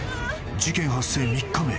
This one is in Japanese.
［事件発生３日目］